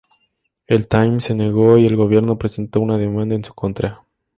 El "Times" se negó, y el gobierno presentó una demanda en su contra.